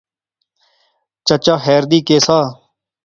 چچا خیر دی، کہہ سا؟